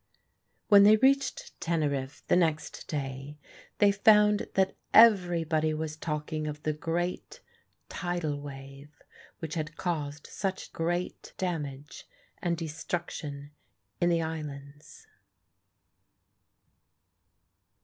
When they reached Teneriffe the next day they found that everybody was talking of the great tidal wave which had caused such great damage and destruction in the islands.